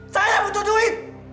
saya butuh duit